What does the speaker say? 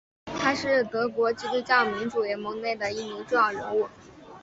他是德国基督教民主联盟内的一名重要人物。